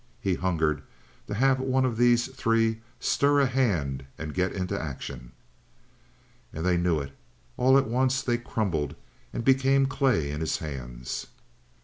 He hungered to have one of these three stir a hand and get into action. And they knew it. All at once they crumbled and became clay in his hands.